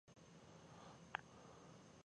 آثار باید څنګه وساتل شي؟